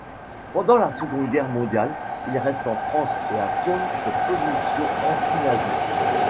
Pendant la Seconde guerre mondiale, il reste en France, et affirme ses positions anti-nazies.